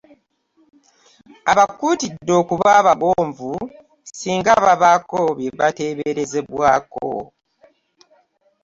Abakuutidde okuba abagonvu singa babaako bye bateeberezebwako.